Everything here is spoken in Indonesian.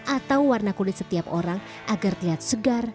atau warna kulit setiap orang agar terlihat segar